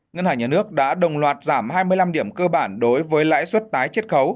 ngân hàng nhà nước đã đồng loạt giảm hai mươi năm điểm cơ bản đối với lãi suất tái triết khấu